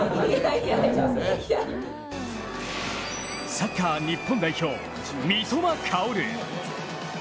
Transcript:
サッカー日本代表、三笘薫。